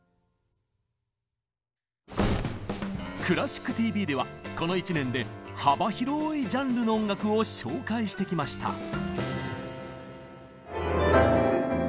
「クラシックＴＶ」ではこの１年で幅広いジャンルの音楽を紹介してきました。